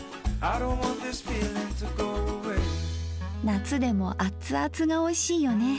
夏でもアツアツがおいしいよね